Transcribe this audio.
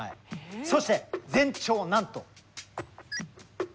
そして全長なんと２５ｍ。